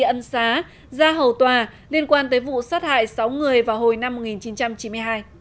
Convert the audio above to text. ân xá ra hầu tòa liên quan tới vụ sát hại sáu người vào hồi năm một nghìn chín trăm chín mươi hai